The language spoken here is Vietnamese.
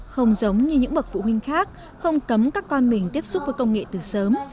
không giống như những bậc phụ huynh khác không cấm các con mình tiếp xúc với công nghệ từ sớm